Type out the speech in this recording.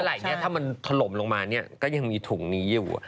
แต่ถ้ามันถล่มลงมานี้ก็ยังมีถุงนี้อยู่